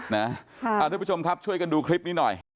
ท่านผู้ชมครับช่วยกันดูคลิปนี้หน่อย